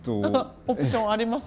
オプションあります？